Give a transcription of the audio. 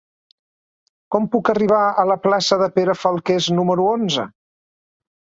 Com puc arribar a la plaça de Pere Falqués número onze?